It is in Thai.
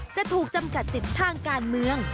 จะถูกจำกัดสิทธิ์ทางการเมือง